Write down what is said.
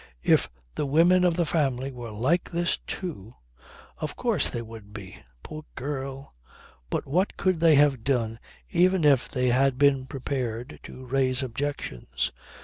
If the women of the family were like this too! ... And of course they would be. Poor girl! But what could they have done even if they had been prepared to raise objections.